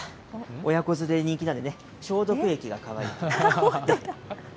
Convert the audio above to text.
親子連れに人気なんでね、消毒液がかわいい。